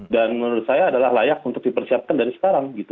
dan menurut saya adalah layak untuk dipersiapkan dari sekarang gitu